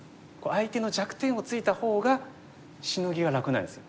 相手の弱点をついた方がシノギは楽なんですよ。